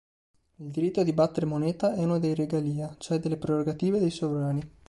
Il diritto di battere moneta è uno dei regalia, cioè delle prerogative dei sovrani.